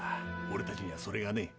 俺たちにはそれがねえ。